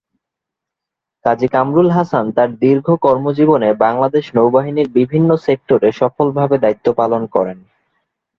কাজী কামরুল হাসান তার দীর্ঘ কর্মজীবনে বাংলাদেশ নৌবাহিনীর বিভিন্ন সেক্টরে সফলভাবে দায়িত্ব পালন করেন।